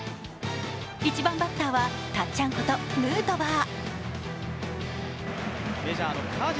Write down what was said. １番バッターはたっちゃんことヌートバー。